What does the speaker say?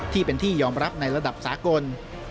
ที่เป็นที่ยอมรับในระดับสากล